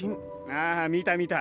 ああ見た見た。